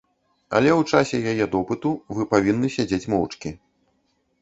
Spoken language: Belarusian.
Але ў часе яе допыту вы павінны сядзець моўчкі.